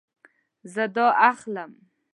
زه دا اخلم